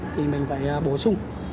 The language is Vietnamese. thì mình phải bổ sung